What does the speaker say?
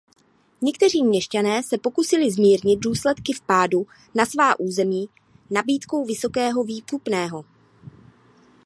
Někteří měšťané se pokusili zmírnit důsledky vpádu na svá území nabídkou vysokého výkupného.